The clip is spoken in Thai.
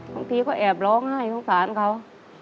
บางทีก็แอบร้องไห้สงสารเขา